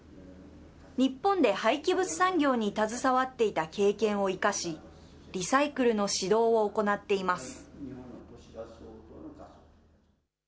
日本で廃棄物産業に携わっていた経験を生かし、リサイクルの指導を行っています。